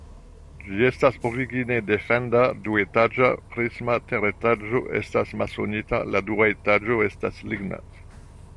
Ĝi estas origine defenda, duetaĝa, prisma, teretaĝo estas masonita, la dua etaĝo estas ligna.